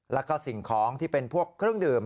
แล้วก็สิ่งของที่เป็นพวกเครื่องดื่ม